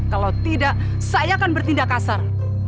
kalau tidak saya akan bertindak kasar